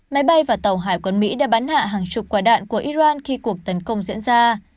máy bay và tàu hải quân mỹ đã bắn hạ hàng chục quả đạn của iran khi cuộc tấn công diễn ra